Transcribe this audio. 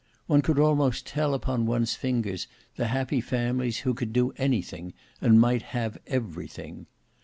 One could almost tell upon one's fingers the happy families who could do anything, and might have everything.